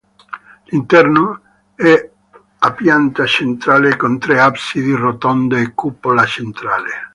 L'interno è a pianta centrale con tre absidi rotonde e cupola centrale.